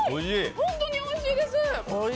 本当においしいです！